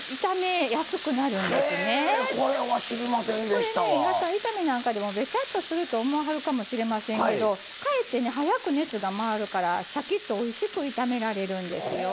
これね野菜炒めなんかでもべちゃっとすると思いはるかもしれませんけどかえってね早く熱が回るからシャキッとおいしく炒められるんですよ。